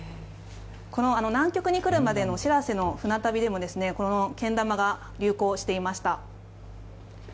南極に来るまでの「しらせ」の船旅でもけん玉が流行していました。